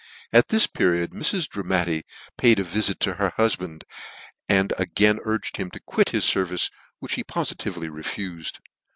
At this period Mrs. Dramatti paid a vilit to her hufband, and again urged him to quit his fervice, which he pofitively refufed.